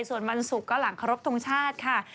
ส่วนวันศุกร์ก็หลังครบทรงชาติค่ะ